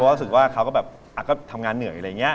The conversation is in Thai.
เพราะว่าคิดว่าก็เห็นว่าทำงานเหนื่อยไง